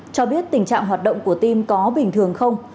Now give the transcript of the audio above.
cho biết tình trạng hoạt động của team có bình thường không